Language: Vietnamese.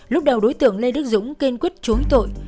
lúc đầu đối tượng lê đức dũng kiên quyết chối tội